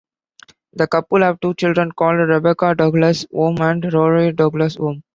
The couple have two children called Rebecca Douglas-Home and Rory Douglas-Home.